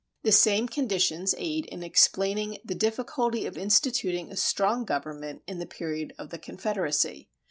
The same conditions aid in explaining the difficulty of instituting a strong government in the period of the confederacy.